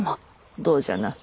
どうじゃな。